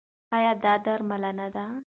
ایا دا درملنه ده؟